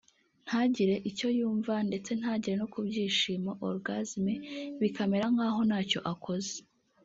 ntagire icyo yumva ndetse ntagere no kubyishimo (orgasme) bikamera nk’aho ntacyo akoze